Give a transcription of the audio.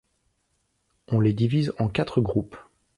On les divise en quatre groupes.